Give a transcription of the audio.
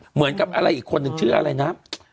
เหมือนกับอีกคนชื่ออะไรนะ